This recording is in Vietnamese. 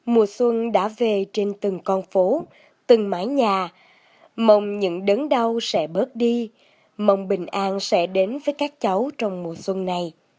mùa xuân đã về trên từng con phố từng mãi nhà mong những đớn đau sẽ bớt đi mong bình an sẽ đến với các cháu trong mùa xuân này